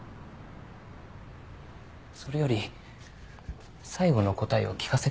それより最後の答えを聞かせてもらおう。